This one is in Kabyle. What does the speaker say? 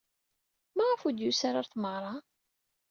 Maɣef ur d-yusi ara ɣer tmeɣra?